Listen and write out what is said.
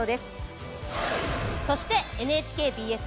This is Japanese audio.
そしてＮＨＫＢＳ